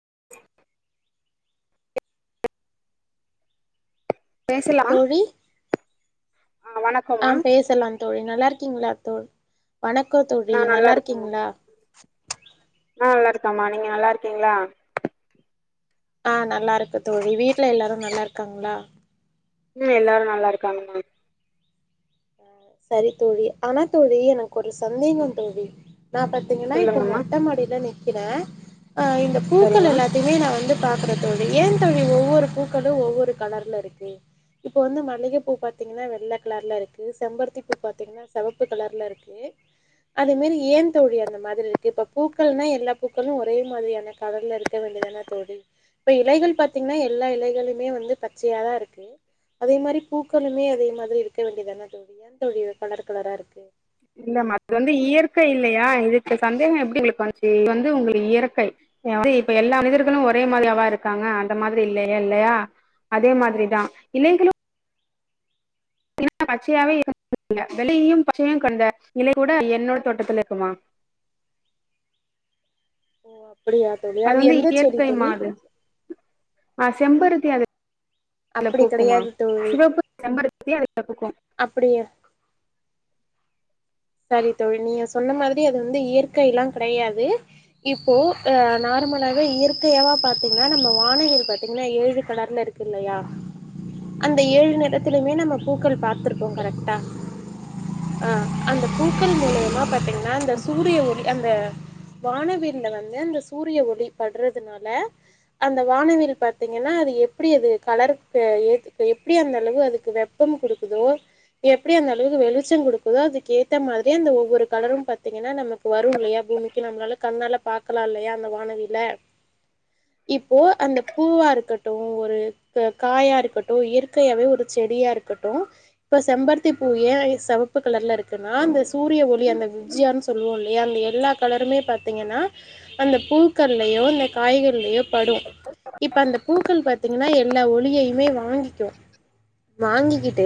[unintelligible] பேசலாமா தோழி ஆ வணக் ஆம் பேசலாம் தோழி நல்லாருக்கீங்ளாத் தோழ் வணக்கோ தோழி நா நல்லா இருக்கேம்மா நல்லாருக்கீங்ளா நா நல்லாருக்கம்மா நீங்க நல்லாருக்கீங்ளா ஆ நல்லாருக்கு தோழி வீட்ல எல்லாரு நல்லாருக்காங்ளா ம் எல்லாரு நல்லாருக்காங்கம்மா சரித் தோழி ஆனாத் தோழி எனக்கு ஒரு சந்தேகந் தோழி நா பத் தீங்கினா இப்ப சொல்லுங்கம்மா மொட்ட மாடில நிக்கிறே அ இந்தப் பூக்கள் சரிம்மா எல்லாத் திமே நா வந்துப் பாக்கறத் தோழி ஏன் தோழி ஒவ்வொருப் பூக்களு ஒவ்வொரு கலர்ல இருக்கு இப்போ வந்து மல்லிகப்பூ பாத்தீங்கினா வெள்ளக் கலர்லருக் கு செம்பருத்திப் பூ பாத்தீங்னா செவப்பு கலர்ல இருக்கு அதே மேரி ஏந்தோழி அந்த மாதிரி ருக்கு இப்ப பூக்கள்னா எல்லாப் பூக்களு ஒரே மாதிரியான கலர்லருக் க்க வேண்டியதானத் தோழி இப்ப இலைகள் பாத்தீங்னா எல்லா இலைகளுமே வந்து பச்சையாதா இருக்கு அதே மாரிப் பூக்களுமே அதே மாதிரி இருக்க வேண்டியதானத் தோழி ஏன் தோழி கலர் கலரா இருக்கு இல்லமா அது வந்து இயற்கை இல்லையா இதுக்கு சந்தேகோ எப்டி உங்ளுக்கு வந்துச்சி இது வந்து உங்ளுக்கு இயற்கை வந்து இப்ப எல்லா மனிதர்களு ஒரே மாதிரியாவா இருக்காங்க அந்த மாதிரி இல்லைய இல்லையா அதே மாதிரிதா இல்லைகளு பாத்திங்கண்ணா பச்சையாவே [unintelligible] வெள்ளையு பச்சையு கொண்ட இலை கூட என்னோட தோட்டத்துல இருக்குமா ஓ அப்டியா அது வந்து இயற்கை மாது ஆ செம்பருத்தி அது அதுல அப்படி பூக்குமா கிடையாது சிவப்பு செம்பருத்தி அதுல பூக்கும் அப்டியே சரி தோழி நீங்க சொன்ன மாதிரி அது வந்து இயற்கை எல்லா கிடையாது இப்போ நார்மலாவே இயற்கையாவா பார்த்தீங்கன்னா நம்ம வானவில் பார்த்தீங்கன்னா ஏழு கலர்ல இருக்கு இல்லையா அந்த ஏழு நேரத்திலுமே நம்ம பூக்கள் பாத்துருப்போ கரெக்டா ஆ அந்த பூக்கள் மேல பார்த்தீங்கன்னா அந்த சூரிய ஒளி அந்த வானவில் வந்து அந்த சூரிய ஒளி படுறதுனால அந்த வானவில் பார்த்தீங்கன்னா அது எப்டி அது கலரு எப்டி அந்த அளவு அதுக்கு வெப் கொடுக்குதோ எப்டி அந்த அளவுக்கு வெளிச்ச கொடுக்குதோ அது கேத்த மாதிரியி அந்த ஒவ்வொரு ஒவ்வொரு கலரும் பாத்தீங்கன்னா நமக்கு வரும் இல்லயா பூமிக்கு நம்மளால கண்ணால பா பாக்களா இல்லயா அந்த வானவில்ல [unintelligible] இப்போ அந்த பூவா இருக்கட்டும் ஒரு காயா இருக்கட்டும் இயற்கையாவே ஒரு செடியா இருக்கட்டும் இப்ப செம்பருத்தி பூ ஏய செவப்பு கலர்ல இருக்குன்னா அந்த சூரிய ஒளி அந்த விஜ்யான்னு சொல்லுவோ ல அந்த எல்லா கலருமே பாத்தீங்கன்னா அந்த பூக்கள்லயோ அந்த காய்கறிலயு படும் இப்போ அந்த பூக்கள் பாத்தீங்கன்னா எல்லா ஒளியையுமே வாங்கிக்கு வாங்கிக்கிட்டு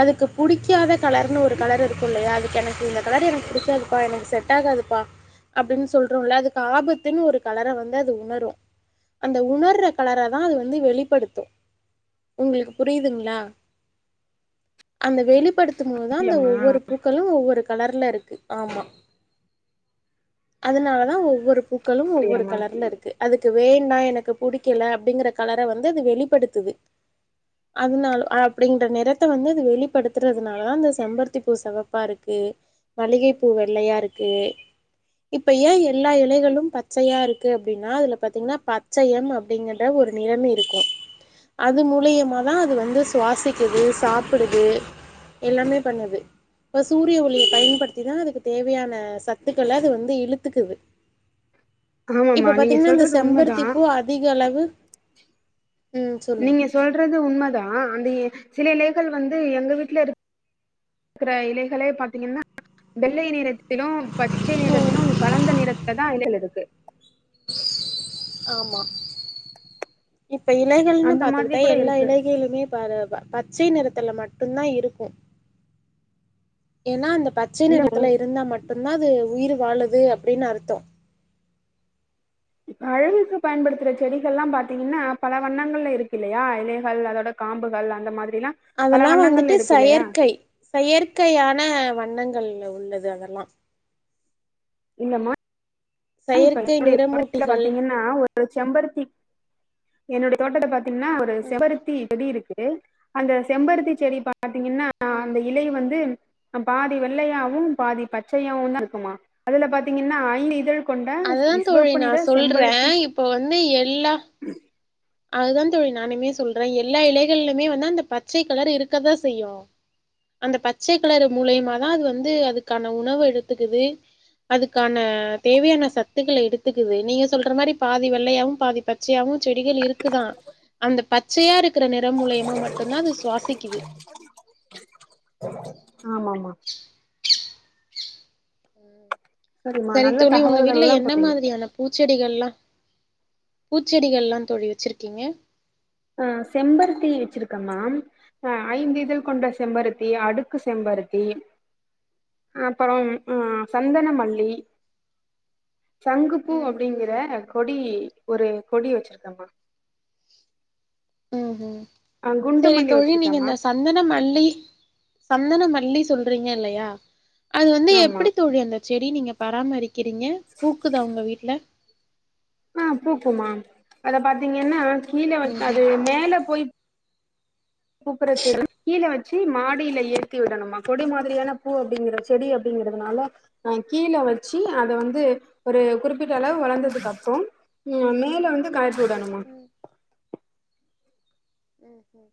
அதுக்கு புடிக்காத கலர்னு ஒரு கலர் இருக்கும் இல்லையா அதுக்கு எனக்கு இந்த கலர் எனக்கு பிடிக்காதுப்பா எனக்கு செட் ஆகாதுப்பா அப்டின்னு சொல்றோம்ல அதுக்கு ஆபத்துன்னு ஒரு கலர வந்து அது உணரு அந்த உணர்ற கலர தா அது வந்து வெளிப்படுத்து உங்களுக்கு புரியுதுங்ளா அந்த வெளிப்படுத்தும் போதுதா அந்த அப்டியாம்மா ஒவ்வொரு பூக்களு ஒவ்வொரு கலர்ல இருக்கு ஆமா அதனால தா ஒவ்வொரு ஒவ்வொரு பூக்களும் ஒவ்வொரு அப்டியாம்மா கலர்ல் இருக்குது அதுக்கு வேணா எனக்கு புடிக்கல அப்டிங்கற கலர வந்து அது வெளிப்படுத்துது அதனால அப்படிங்கற நிறத்த வந்து அது வெளிப்படுத்துறதுனால தா அந்தந்த செம்பருத்தி பூ செவப் ப்பா இருக்கு மல்லிகைப்பூ வெள்ளையா இருக்கு இப்ப ஏய எல்லா இலைகளும் பச்சையா இருக்கு அப்டின்னா அதுல பாத்தீங்கன்னா பச்சையம் அப்டிங்கற ஒரு நிறமி இருக்கும் அது மூலியமாதா அது வந்து சுவாசிக்குது சாப்டுது எல்லாமே பண்ணுது இப்ப சூரிய ஒளிய பயன்படுத்திதா அதுக்கு தேவையான சத்துக்கள அது வந்து இழுத்துக்குது ஆமாமா இப்ப நீங்க பாத்தீங்கன்னா இந்த சொல்றது உண்மதா செம்பருத்தி பூ அதிக அளவு ம் சொல்லுங்க நீங்க சொல்றது உண்மதா அந்த சில இலைகள் வந்து எங்க வீட்ல இரு க்குற இலைகலே பாத்தீங்கன்னா வெள்ளை நிறத்திலு பச்சை நிறத்திலு கலந்த நிறத்ல தா இலைகள் இருக்கு ஆமா இப்ப இலைகள்னு அந்த மாதிரி பாத்துக்கிட்டா கூட எல்லா இருக்கு இலைகளுமே பாரு பச்சை நிறத்துல மட்டு்தா இருக்கும் ஏன்னா அந்த பச்சை இல்ல நிறத்துல இருந்தா மட்டும்தா அது உயிர் வாழுது அப்டின் அர்த்தம் அழகுக்கு பயன்படுத்துற செடிகள்ல்லா பாத்தீங்கன்னா பல வண்ணங்கள்ல இருக்கு இல்லயா இலைகள் அதோட காம்புகள் அந்த மாதிரிலா பல அதெல்லா வந்துட்டு வண்ணங்கள்ல இருக்கு இல்லையா செயற்கை செயற்கையான வண்ணங்கள் உள்ளது அதெல்லா இல்லம்மா இப்ப செயற்கை என்னுடைய தோடத்துல நிறமூட்டிகள் பாத்தீங்கன்னா ஒரு செம்பருத்தி என்னுடைய தோட்டத்த பாத்தீங்கன்னா ஒரு ம் செம்பருத்தி செடி இருக்கு அந்த செம்பருத்தி செடி பாத்தீங்கன்னா ம் அந்த இலை வந்து பாதி வெள்ளையாவு பாதி பச்சையாவு தா இருக்குமா அதுல பாத்தீங்கன்னா ஐந்து இதழ் கொண்ட அதுதா தோழி சிவப்பு நா நிற சொல்றே செம்பருத்தி இப்போ வந்து எல்லா அதுதா தோழி நானுமே சொல்ற எல்லா இலைகள்லுமே வந்து அந்த பச்சை கலர் இருக்கதா செய்யு அந்த பச்சை கலர் மூலியமாதா அது வந்து அதுக்கான உணவு எடுத்துக்குது அதுக்கான தேவையான சத்துக்கள எடுத்துக்குது நீங்க சொல்ற மாரி பாதி வெள்ளையாவு பாதி ப ச்சையாவு செடிகள் இருக்குதா அந்த பச்சையா இருக்கிற நிறம் மூலியமா மட்டுந்தா அது சுவாசிக்குது ஆமாமா சரிம்மா செரி நல்ல தோழி உங்க வீட் தகவல்கள்லா என்ன குடுத்தீங்க மாதிரியான பூச்செடிகள்லா பூச்செடிகள்லா தோழி வச்சுருக்கீங்க ஆ செம்பருத்தி வச்சிருக்க மா அ ஐந்து இதழ் கொண்ட ம் செம்பருத்தி அடுக்கு செம்பருத்தி அப்புறோ ம் சந்தனமல்லி சங்குப்பூ ம் அப்டிங்கிற கொடி ஒரு கொடி வச்சிருக்கமா ம் ஹூ ஆ குண்டு செரி மல்லி தோழி நீங்க வச்சிருக்கம்மா இந்த சந்தன மல்லி சந்தன மல்லி சொல்றீங்க இல்லையா அது வந்து ஆமா எப்டி தோழி அந்த செடி நீங்க பராமரிக்கிறீங்க பூக்குதா உங்க வீட்ல ஆ பூக்குமா அத பாத்தீங்கன்னா கீழ வ அது ம்ஹும் மேல போய் பூக்குற செடி கீழ வச்சி மாடில ஏத்தி விடணுமா கொடி மாதிரியான பூ அப்டிங்கற செடி அப்டிங்கறதுனால அ கீழ வச்சி அத வந்து ஒரு குறிப்பிட்ட அளவு வளர்ந்ததுக்கு அப்றோ ம் மேல வந்து காய்த்து விடணுமா ம் ம் ம்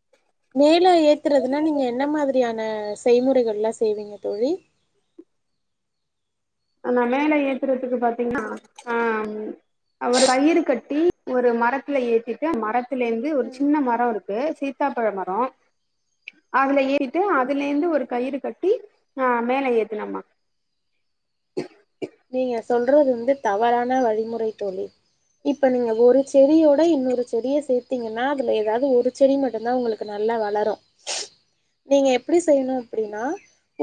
மேல ஏத்துறதுனா நீங்க என்ன மாதிரியா ன செய்முறைகள்லா செய்வீங்க தோழி ஆமா மேல ஏத்துறதுக்கு பாத்தீங்ன்னா ஆ ஒரு கயிறு கட்டி ஒரு மரத்துல ஏத்திட்டு மரத்தல இருந்து ஒரு சின்ன மரோ இருக்கு சீ த்தாப்பழ மரோ அதுல ஏறிட்டு அதுலேந்து ஒரு கயிறு கட்டி அ மேல ஏத்துனம்மா [unintelligible] நீங்க சொல்றது வந்து தவறான வழிமுறை தோழி இப்ப நீங்க ஒரு செடியோட இன்னொரு செடிய சேர்த்தீங்கன்னா அதுல ஏதாவது ஒரு செடி மட்டுந்தா உங்களுக் கு நல்லா வளரு [inaudible] நீங்க எப்டி செய்ணு அப்டின்னா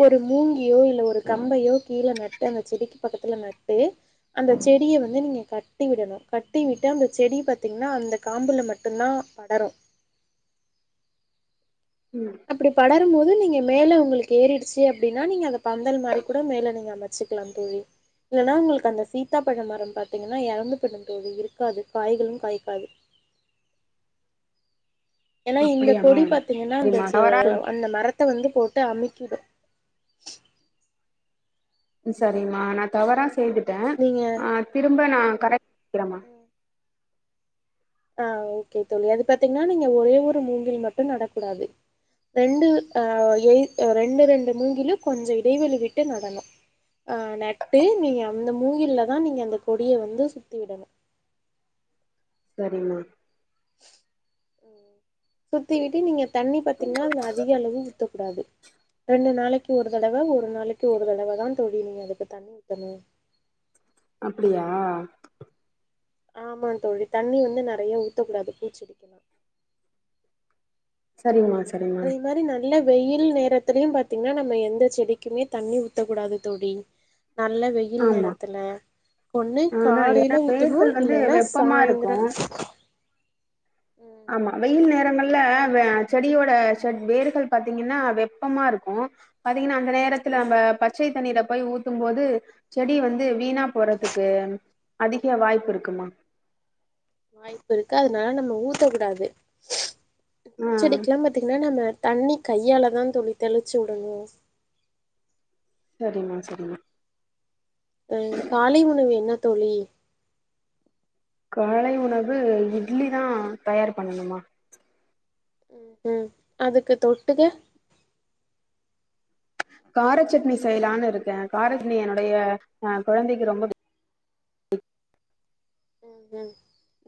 ஒரு மூங்கியோ இல்ல ஒரு கம்பையோ கீழ நட்டு அந்த செடிக்கு பக்கத்துல நட்டு அந்த செடிய வந்து நீங்க கட்டி விடணு கட்டிவிட்டு அந்த செடி பார்த்தீங்னா அந்த காம்புல மட்டுந்தா படரு ம் அப்டி படரும்போது நீங்க மேலே உங்களுக்கு ஏறிடுச்சு அப்டின்னா நீங்க அத பந்தல் மாரி கூட மேலே நீங்க அமைச் சிக்லா தோழி இல்லனா உங்களுக்கு அந்த சீத்தா பழோ மரோ பாத்தீங்கன்னா எறந்துபுடு தோழி இருக்காது காய்களு காய்க்காது ஏனா இந்த அப்படியாமா கொடி பாத்தீங்ன்னா அந்த சரிமா தவறா அந்த மரத்த வந்து போட்டு அமிக்கிடு ம் சரிம்மா நா தவறா செய்த்துட்டே நீங்க ஆ திரும்ப நா கரெக்ட் வக்கிறம்மா ம் ஆ ஓகே தோழி அது பாத்தீங்கன்னா நீங்க ஒரே ஒரு மூங்கில் மட்டு நடக்கூடாது ரெண்டு அ ரெண்டு ரெண்டு மூங்கிலு கொஞ்சோ இடைவெளி விட்டு நடனு ஆ நட்டு நீங்க அந்த மூங்கில்ல தா நீங்க அந்த கொடியை வந்து சுத்தி விடணு சரிம்மா ம் சுத்தி விட்டு நீங்க தண்ணி பாத்தீங்ன்னா அதுல அதிக அளவு ஊத்தக்கூடாது ரெண்டு நாளைக்கு ஒரு தடவ ஒ ஒரு நாளைக்கு ஒரு தடவ தா தோழி நீங்க அதுக்கு தண்ணி ஊத்தணு அப்டியா ஆமா தோழி தண்ணி வந்து நெறைய ஊத்தக்கூடாது பூச்செடிக்கலா சரிங்ம்மா அதே மாரி நான் இல்ல வெயில் நேரத்திலியு பாத்தீங்கன்னா நம்ம எந்த செடிக்குமே தண்ணி ஊத்தக்கூடாது தோடி நல்ல வெ யில் ஆமா நேரத்துல ஒண்ணு ஆனா ஏன்னா காலையில ஊத்தணு வேர்கள் வந்து இல்லைன்னா வெப்பமா இருக்கு சாய்ந்தரோ ஆமா வெயில் நேரங்கள்ல ஆ செடியோட செட் வேர்கள் பாத்தீங்கன்னா வெப்பமா இருக்கு பாத்தீங்கன்னா அந்த நேரத்துல ம் நம்ம பச்சை தண்ணீரை போய் ஊத்தும் போது செடி வந்து வீணா போறதுக்கு அதிக வாய்ப்பு இருக்குமா வாய்ப்பு இருக்கு அதனால நம்ம ஊத்தக்கூடாது ஆ பூச்செடிக்கெல்லா பாத்தீங்கன்னா நம்ம தண்ணி கையால தா தோழி தெளிச்சு விடணு சரிமா சரிமா அ காலை உணவு என்ன தோழி காலை உணவு இட்லி தா தயார் பண்ணணுமா ம் ம் அதுக்கு தொட்டுக்க காரச்சட்னி செய்யலான்னு இருக்கே கார சட்னி என்னுடைய அ கொழந்தைக்கு ரொம்ப ம் ம்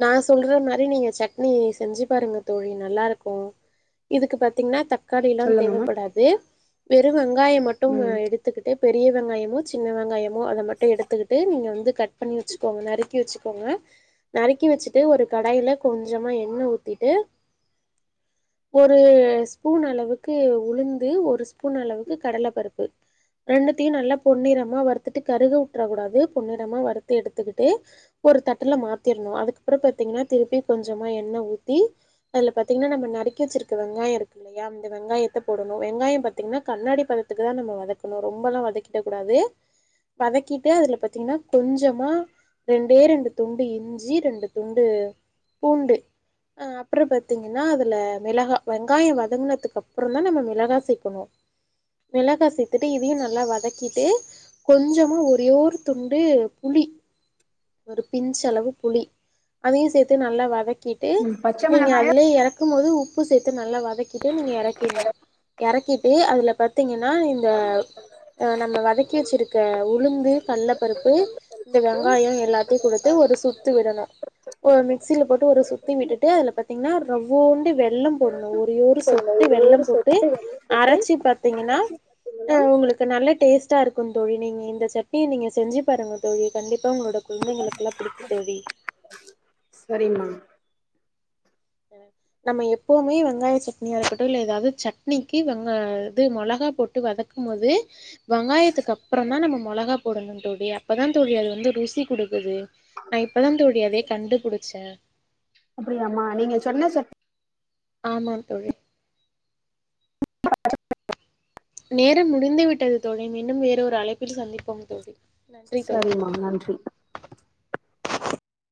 நா சொல்ற மாரி நீங்க சட்னி செஞ்சு பாருங்க தோழி நல்லா இருக்கு இதுக்கு பாத்தீங்கன்னா தக்காளில்லா சொல்லுங்கம்மா தேவைப்படாது வெறு வெங்காயம் மட்டும் ம் எடுத் க்கிட்டு பெரிய வெங்காயமோ சின்ன வெங்காயமோ அத மட்டு எடுத்துக்கிட்டு நீங்க வந்து கட் பண்ணி வச்சுக்கோங்க நறுக்கி வச்சுக்கோங்க நறுக்கி வச்சுட்டு ஒரு கடாயில கொஞ்சமா எண்ண ஊத்திட்டு [inaudible] ஒரு ஸ்பூன் அளவுக்கு உளுந்து ஒரு ஸ்பூன் அளவுக்கு கடல பருப்பு ரெண்டுத்தையு நல்லா பொன்னிறமா வறுத்துட்டு கருக வுட்டுறக் கூடாது பொன்னிறமா வறுத்து எடுத்துக்கிட்டு ஒரு தட்ல மாத்திற்ணு அதுக்கப்றோ பாத்தீங்கன்னா திருப்பி கொஞ்சமா எண்ண ஊத்தி அதுல பாத்தீங்கன்னா நம்ம நறுக்கி வச்சிருக்க வெங்காயோ இருக்கு இல்லையா இந்த வெங்காயத்தை போடணு வெங்காயோ பாத்தீங்கன்னா கண்ணாடி பதத்துக்கு தா நம்ம வதக்கணு ரொம்பெல்லா வதக்கிடகூடாது வதக்கிட்டு அதுல பாத்தீங்கன்னா கொஞ்சமா ரெண்டே ரெண்டு துண்டு இஞ் சி ரெண்டு துண்டு பூண்டு அப்றோ பாத்தீங்கன்னா அதுல மிளகா வெங்காயோ வதங்கினதுக்கு அப்றோ தா நம்ம மிளகா சேக்கணு மிளகா சேத்துட்டு இதையு நல்லா வதக்கிட்டு கொஞ்சமும் ஒரே ஒரு துண்டு புளி ஒரு பின்ச்சளவுக் புளி அதையூ சேர்த்து நல்லா வதக்கிட்டு ம் பச்ச நீங்க மிளகாயா அதிலேயே எறக் இருக்கும் போது உப்பு சேர்த்து நல்லா வதக்கிட்டு நீங்க எறக்கிட்ணூ எறக்கிட்டு அதில பாத்தீங்கன்னா நீங்க அ நம்ம வதக்கி வச்சிருக்கே உளுந்து கள்ள பருப்பு இந்த வெங்காயோ எல்லாத்தையூ கொடுத்து ஒரு சுத்து விடணூ ஓ மிக்சியில போட்டு ஒரு சுத்தி விட்டுட்டு அதுல பாத்தீங்கன்னா ரவ்வோண்டு வெள்ளோ போடணூ ஒர ஒரு செட் டு வெள்ளோ போட்டு அரைச்சி பாத்தீங்கன்னா ஆ உங்களுக்கு நல்ல டேஸ்ட்டா இருக்கோ தோழி நீங்க இந்த சட்னிய நீங்க செஞ்சு பாருங்க தோழி கண்டிப்பா உங்களோட குழந்தைங்களுக்குலா பிடிக்கூ தோழி சரிங்ம்மா நம்ம எப்பவுமே வெங்காய சட்னியா இருக்கட்டும் இல்ல ஏதாவது சட்னிக்கு வெங்கா இது மெளகா போட் ட்டு வதக்கும் போது வெங்காயத்துக்கு அப்புறந்தா நம்ம மெளகா போடணூ தோழி அப்பதா தோழி அது வந்து ருசி குடுக்குது நா இப்ப தா தோழி அதய கண்டுபிடிச்சே அப்படியாமா நீங்க சொன்ன சட் ஆமாந் தோழி நேரம் முடிந்து விட்டது தோழி மீண்டும் வேற ஒரு அழைப்பில் சந்திப்போம் தோழி நன்றி தோழி சரிம்மா நன்றி